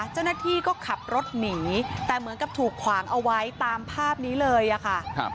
เจ้าหน้าที่ก็ขับรถหนีแต่เหมือนกับถูกขวางเอาไว้ตามภาพนี้เลยอะค่ะ